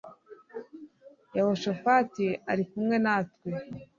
yehoshafati ari kumwe natwe